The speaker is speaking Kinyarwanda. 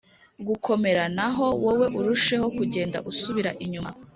Gukomera naho wowe urusheho kugenda usubira inyuma